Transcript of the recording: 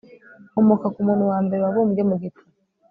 nkomoka ku muntu wa mbere wabumbwe mu gitaka